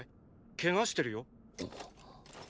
ケガしてるよ。？